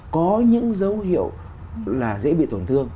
có những dấu hiệu là dễ bị tổn thương